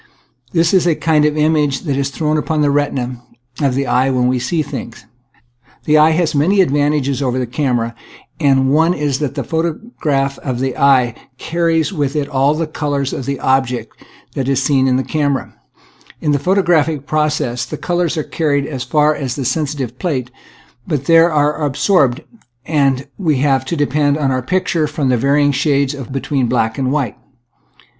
This is the kind of image that is thrown upon the retina of the eye when we see things. The eye has many advantages over the camera, and , i . Original from UNIVERSITY OF WISCONSIN 212 nature's flSfracles. one is that the photograph on the eye carries with it all the colors of the object that is seen in the camera. In the photographic process the colors are carried as far as the sensitive plate, but there they are absorbed, and we have to depend for our picture upon the vary ing shades between black and white.